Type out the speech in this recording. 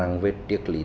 hay nói một cách khác